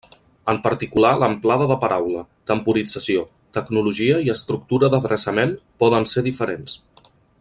En particular l'amplada de paraula, temporització, tecnologia i estructura d'adreçament poden ser diferents.